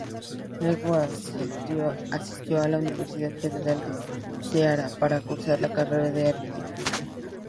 Luego asistió a la Universidad Federal de Ceará, para cursar la carrera de arquitectura.